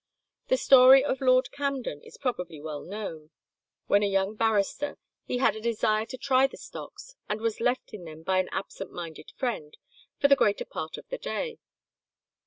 The story of Lord Camden is probably well known. When a young barrister he had a desire to try the stocks, and was left in them by an absent minded friend, for the greater part of the day.